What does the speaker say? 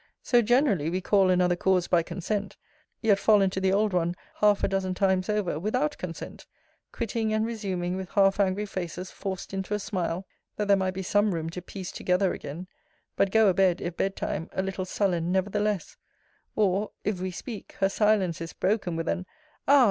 So, generally, we call another cause by consent yet fall into the old one half a dozen times over, without consent quitting and resuming, with half angry faces, forced into a smile, that there might be some room to piece together again: but go a bed, if bedtime, a little sullen nevertheless: or, if we speak, her silence is broken with an Ah!